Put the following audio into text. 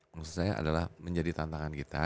maksud saya adalah menjadi tantangan kita